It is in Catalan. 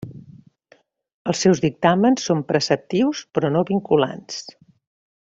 Els seus dictàmens són preceptius però no vinculants.